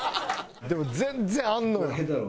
でも全然あんのよ